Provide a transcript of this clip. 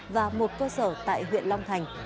và một cơ sở tại huyện long thành